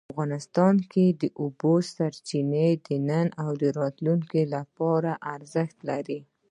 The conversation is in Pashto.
افغانستان کې د اوبو سرچینې د نن او راتلونکي لپاره ارزښت لري.